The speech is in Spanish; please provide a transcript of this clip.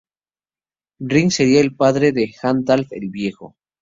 Ring sería el padre de Halfdan el Viejo.